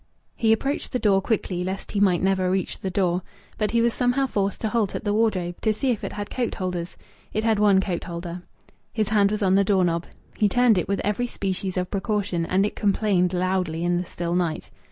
He approached the door quickly, lest he might never reach the door. But he was somehow forced to halt at the wardrobe, to see if it had coat holders. It had one coat holder.... His hand was on the door knob. He turned it with every species of precaution and it complained loudly in the still night.